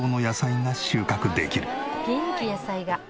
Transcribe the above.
元気野菜が。